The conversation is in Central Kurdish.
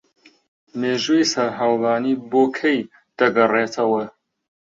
مێژووی سەرهەڵدانی بۆ کەی دەگەڕێتەوە